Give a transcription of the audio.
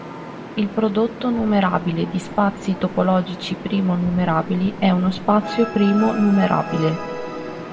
Il prodotto numerabile di spazi topologici primo-numerabili è uno spazio primo-numerabile.